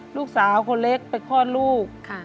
ลูกสาวคนเล็กไปคลอดลูก